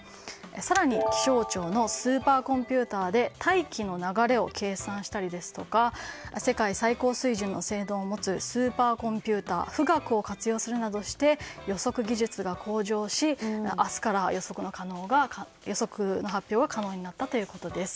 更に、気象庁のスーパーコンピューターで大気の流れを計算したりですとか世界最高水準の性能を持つスーパーコンピューター「富岳」を活用するなどして予測技術が向上し明日から予測の発表が可能になったということです。